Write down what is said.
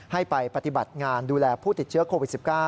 ให้ไปปฏิบัติงานดูแลผู้ติดเชื้อโควิด๑๙